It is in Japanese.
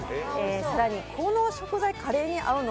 更にこの食材、カレーに合うの？